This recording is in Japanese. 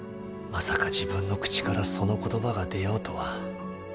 まさか自分の口からその言葉が出ようとは。